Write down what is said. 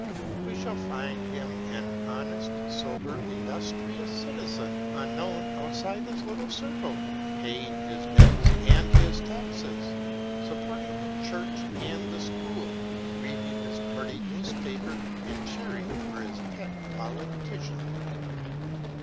We shall find him an honest, sober, industrious citizen, unknown outside his little circle, paying his debts and his taxes, supporting the church and the school, reading his party newspaper, and cheering for his pet politician.